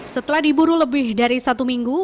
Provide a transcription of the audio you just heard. setelah diburu lebih dari satu minggu